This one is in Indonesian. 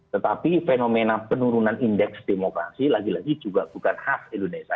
tetapi fenomena penurunan indeks demokrasi lagi lagi juga bukan khas indonesia